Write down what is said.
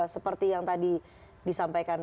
seperti yang tadi disampaikan